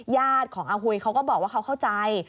ญาติของอาหุยเขาก็บอกว่าเขาเข้าใจ